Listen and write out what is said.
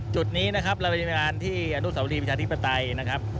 จุดนี้นะครับเราเป็นบริการที่อรุณสวรีพิชาธิปไตยนะครับ